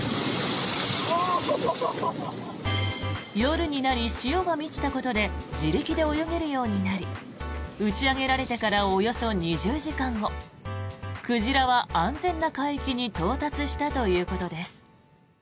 夜になり潮が満ちたことで自力で泳げるようになり打ち上げられてからおよそ２０時間後鯨は安全な海域に到達したということです。